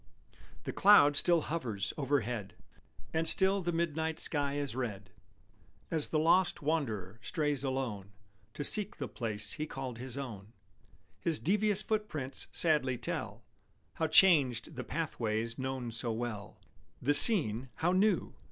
The cloud still hovers overhead, And still the midnight sky is red; As the lost wanderer strays alone To seek the place he called his own, His devious footprints sadly tell How changed the pathways known so well; The scene, how new!